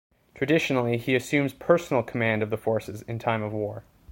Traditionally, he assumes personal command of the forces in time of war.